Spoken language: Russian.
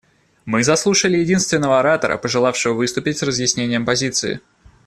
Мы заслушали единственного оратора, пожелавшего выступить с разъяснением позиции.